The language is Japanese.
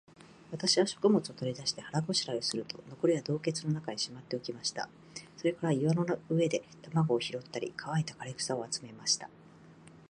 私は食物を取り出して、腹ごしらえをすると、残りは洞穴の中にしまっておきました。それから岩の上で卵を拾ったり、乾いた枯草を集めました。